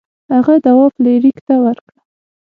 هغه دوا فلیریک ته ورکړه.